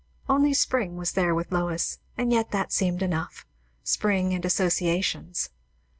Only Spring was there with Lois, and yet that seemed enough; Spring and associations.